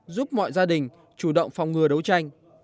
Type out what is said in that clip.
giúp mọi gia đình chủ động phòng ngừa đấu tranh